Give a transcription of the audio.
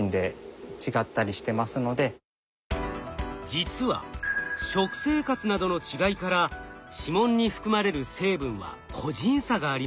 実は食生活などの違いから指紋に含まれる成分は個人差があります。